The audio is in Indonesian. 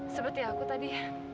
seperti aku tadi